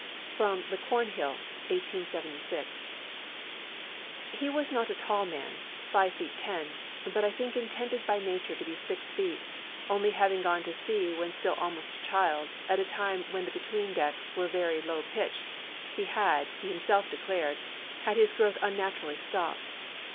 [Sidenote: The Cornhill, 1876.] "He was not a tall man five feet ten but I think intended by nature to be six feet, only having gone to sea when still almost a child, at a time when the between decks were very low pitched, he had, he himself declared, had his growth unnaturally stopped.